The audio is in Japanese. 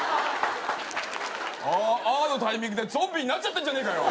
「ああ」のタイミングでゾンビになっちゃってんじゃねえかよ。